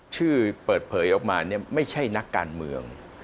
ชื่อเปิดเผยออกมาเนี่ยไม่ใช่นักการเมือง